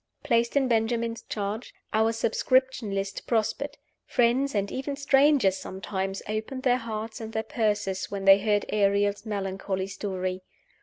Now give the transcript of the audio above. Placed in Benjamin's charge, our subscription list prospered. Friends, and even strangers sometimes, opened their hearts and their purses when they heard Ariel's melancholy story.